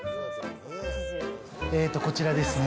こちらですね。